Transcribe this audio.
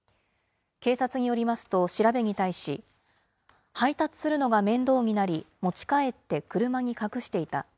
警察によりますと調べに対し、配達するのが面倒になり、持ち帰って車に隠していた。